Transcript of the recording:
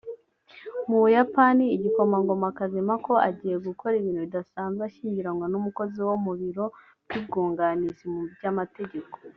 Mubuyapani igikomangomakazi Mako agiye gukora ibintu bidasanzwe ashyingiranwa n’umukozi wo mubiro by’ubwunganizi mu by’amategeko